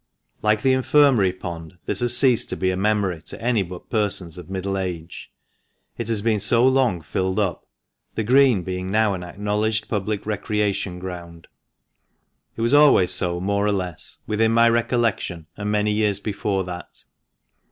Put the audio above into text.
— Like the Infirmary pond, this has ceased to be a memory to any but persons of middle age, it has been so long filled up, the Green being now an acknowledged public recreation ground. It was always so more or less, within my recollection and many years before that.